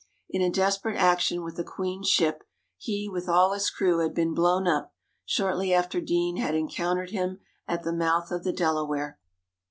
In a desperate action with a Queen's ship, he with all his crew had been blown up, shortly after Deane had encountered him at the mouth of the Delaware.